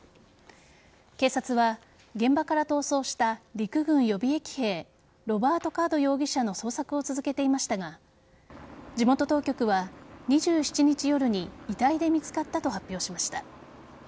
警察は現場から逃走した陸軍予備役兵ロバート・カード容疑者の捜索を続けていましたが地元当局は２７日夜に遺体で見つかったと発表しました。